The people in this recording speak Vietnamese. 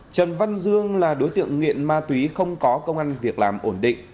trần văn dương là đối tượng nghiện ma túy không có công an việc làm ổn định